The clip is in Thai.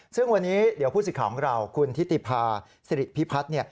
ซึ่งวันนี้เดี๋ยวผู้สิทธิ์ของเราคุณทิติภาษิริพิพัฒน์